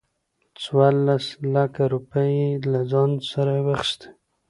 څورلس لکه روپۍ يې له ځان سره واخستې.